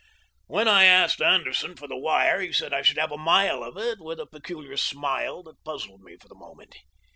When I asked Anderson for the wire, he said I should have a mile of it, with a peculiar smile that puzzled me for the moment.